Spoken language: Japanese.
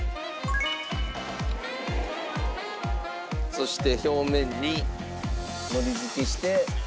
そして表面にのり付けして。